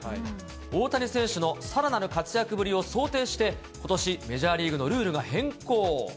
大谷選手のさらなる活躍ぶりを想定して、ことし、メジャーリーグのルールが変更。